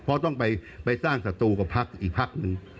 เพราะต้องไปสร้างศัตรูกับพักอีกพักหนึ่ง